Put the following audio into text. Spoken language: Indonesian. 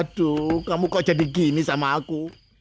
aduh kamu kok jadi gini sama aku